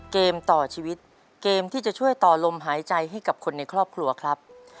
เกมต่อชีวิตเกมที่จะช่วยต่อลมหายใจให้กับคนในครอบครัวครับ